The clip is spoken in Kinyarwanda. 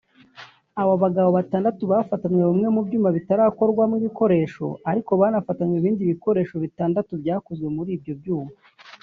Abo bagabo batandatu bafatanwe bimwe mu byuma bitarakorwamo ibikoresho ariko banafatwanwe ibindi bikoresho bitandatu byakozwe muri ibyo byuma